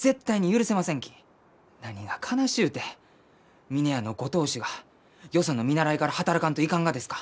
何が悲しゅうて峰屋のご当主がよその見習いから働かんといかんがですか？